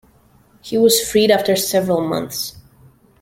He was freed after several months.